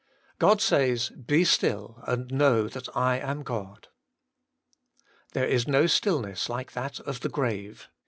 God says :* Be still, and know that I am God.' There is no stillness like that of the grave.